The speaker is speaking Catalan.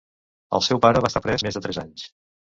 El seu pare va estar pres més de tres anys.